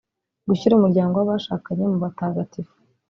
Gushyira umuryango w’abashakanye mu batagatifu